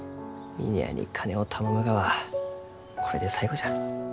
峰屋に金を頼むがはこれで最後じゃ。